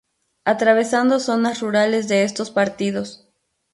Atravesando zonas rurales de estos partidos.